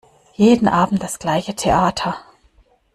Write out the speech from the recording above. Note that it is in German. Jeden Abend das gleiche Theater!